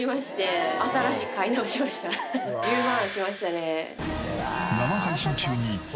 １０万しましたね。